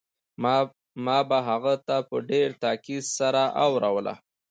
ما به هغه ته په ډېر تاکيد سره اوروله.